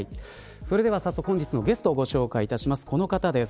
それでは早速、本日のゲストをご紹介いたします。